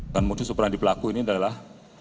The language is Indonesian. dan muncul superandi pelaku ini adalah